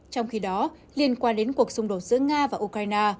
trong khi đó liên quan đến cuộc xung đột giữa nga và ukraine